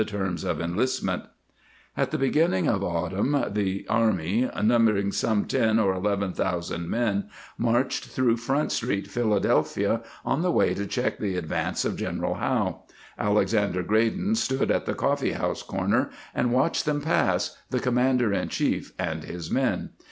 55 ] T^he Private Soldier Under Washington At the beginning of autumn the army, number ing some ten or eleven thousand men, marched through Front Street, Philadelphia, on the way to check, the advance of General Howe. Alexander Graydon stood at the coffee house corner and watched them pass, the Commander in chief and his men.